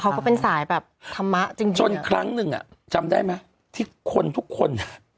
เขาก็เป็นสายแบบธรรมะจริงจนครั้งนึงจำได้ไหมที่คนทุกคน